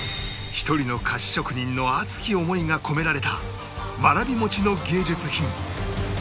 １人の菓子職人の熱き思いが込められたわらび餅の芸術品